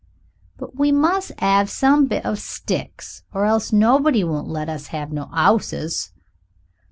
"But we must 'ave some bits of sticks or else nobody won't let us have no 'ouses."